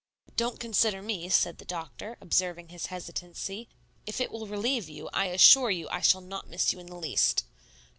"Don't consider me," said the doctor, observing his hesitancy. "If it ill relieve you, I assure you I shall not miss you in the least."